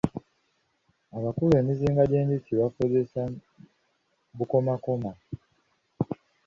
Abaluka emizinga gy'enjuki bakozesa bukomakoma.